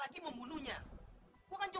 ya tapi ordernya apaan dulu